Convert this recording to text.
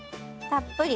たっぷり。